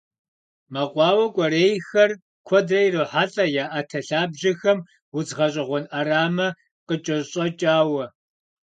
Мэкъуауэ кӏуэрейхэр куэдрэ ирохьэлӏэ я ӏэтэ лъабжьэхэм удз гъэщӏэгъуэн ӏэрамэ къыкӏэщӏэкӏауэ.